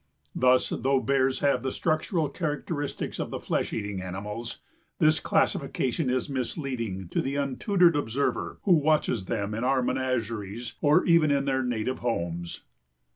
Thus, though Bears have the structural characteristics of the flesh eating animals, this classification is misleading to the untutored observer who watches them in our menageries or even in their native homes.